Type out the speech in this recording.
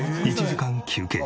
１時間休憩。